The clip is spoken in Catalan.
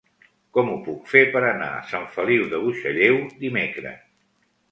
Com ho puc fer per anar a Sant Feliu de Buixalleu dimecres?